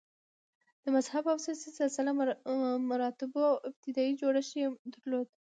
د مذهب او سیاسي سلسه مراتبو ابتدايي جوړښت یې درلود